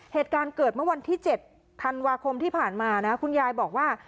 เหตุการณ์เกิดเมื่อวันที่๗ธันวาคมที่ผ่านมานะคุณยายบอกว่า